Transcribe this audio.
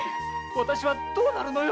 私はどうなるのよ